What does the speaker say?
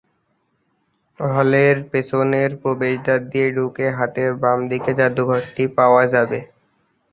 হলের পেছনের প্রবেশদ্বার দিয়ে ঢুকে হাতের বাম দিকে জাদুঘরটি পাওয়া যাবে।